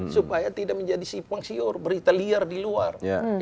supaya tidak menjadi sipang siur beritelir di luar